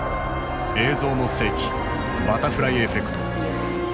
「映像の世紀バタフライエフェクト」。